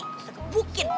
gue seru gebukin